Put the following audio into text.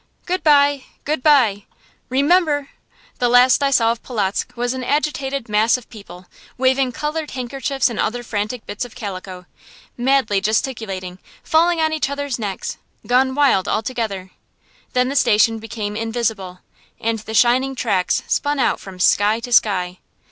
"Good bye! Good bye!" "Remember " The last I saw of Polotzk was an agitated mass of people, waving colored handkerchiefs and other frantic bits of calico, madly gesticulating, falling on each other's necks, gone wild altogether. Then the station became invisible, and the shining tracks spun out from sky to sky.